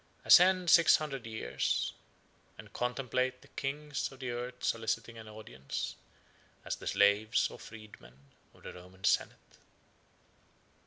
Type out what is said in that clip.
Ascend six hundred years, and contemplate the kings of the earth soliciting an audience, as the slaves or freedmen of the Roman senate!